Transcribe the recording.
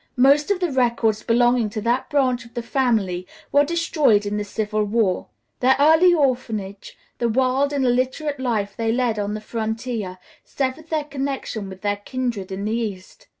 Most of the records belonging to that branch of the family were destroyed in the civil war. Their early orphanage, the wild and illiterate life they led on the frontier, severed their connection with their kindred in the East.